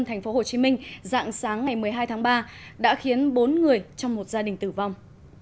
tp hcm dạng sáng ngày một mươi hai tháng ba đã khiến bốn người trong một gia đình tử vong